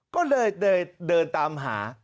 ก็เลยเดินตามหา